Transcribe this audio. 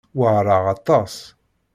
Weɛṛeɣ aṭas.